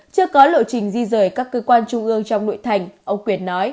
chưa có lộ trình di rời các cơ quan trung ương trong nội thành ông quyền nói